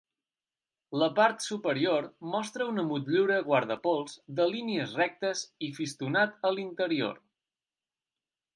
La part superior mostra una motllura guardapols de línies rectes i fistonat a l'interior.